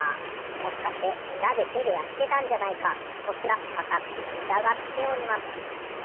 もしかしてうらでてでやってたんじゃないかとすらわたくしうたがっております。